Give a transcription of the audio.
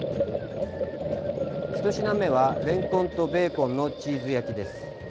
ひと品目はれんこんとベーコンのチーズ焼きです。